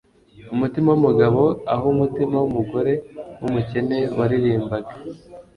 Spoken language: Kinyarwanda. Umutima wumugabo aho umutima wumugore wumukene waririmbaga